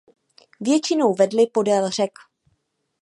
Většinou vedly podél řek.